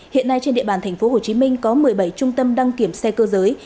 hiện nay trên địa bàn tp hcm có một mươi bảy trung tâm đăng kiểm xe cơ giới